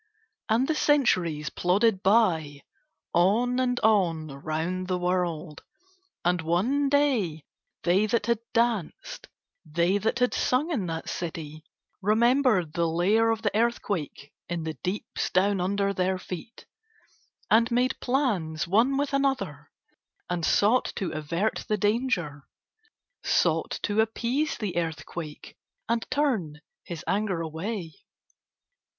And the centuries plodded by, on and on round the world, and one day they that had danced, they that had sung in that city, remembered the lair of the earthquake in the deeps down under their feet, and made plans one with another and sought to avert the danger, sought to appease the earthquake and turn his anger away.